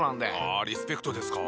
あリスペクトですか。